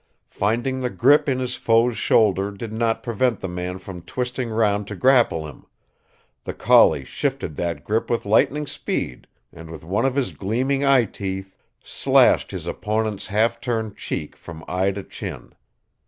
Finding the grip in his foe's shoulder did not prevent the man from twisting round to grapple him, the collie shifted that grip with lightning speed, and with one of his gleaming eyeteeth slashed his opponent's halfturned cheek from eye to chin.